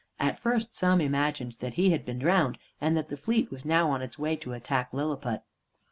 At first some imagined that he had been drowned, and that the fleet was now on its way to attack Lilliput.